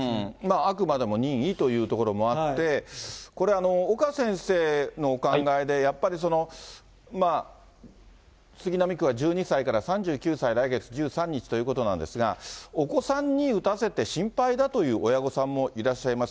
あくまでも任意というところもあって、これ、岡先生のお考えで、やっぱり杉並区は１２歳から３９歳、来月１３日ということなんですが、お子さんに打たせて心配だという親御さんもいらっしゃいます。